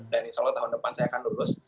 dan insya allah tahun depan saya akan lulus